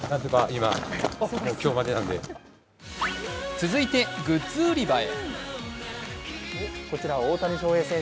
続いてグッズ売り場へ。